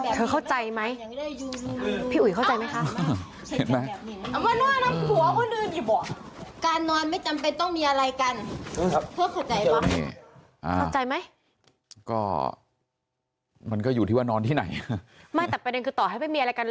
เธอเข้าใจมั้ยพี่อุ๋ยเข้าใจมั้ยคะ